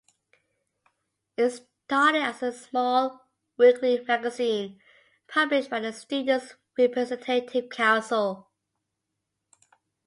It started as a small weekly magazine, published by the Students' Representative Council.